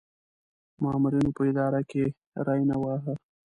مامورینو په اداره کې ری نه واهه.